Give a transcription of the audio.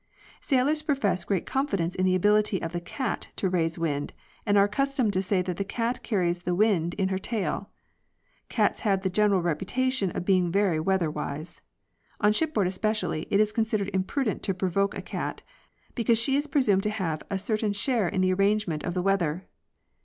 Sailors profess great confidence in the ability of the cat to raise the wind, and are accustomed to say that the cat carries the wind in her tail. Cats have the general reputation of being very weather wise. On shipboard especially, it is considered imprudent to provoke a cat, because she is assumed to have a certain share in the arrangement of the weather.